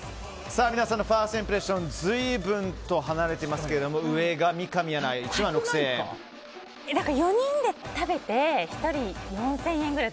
皆さんのファーストインプレッション随分と離れていますけれども何か、４人で食べて１人４０００円くらい。